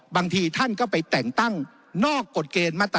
บางทีท่านก็ไปแต่งตั้งนอกกฎเกณฑ์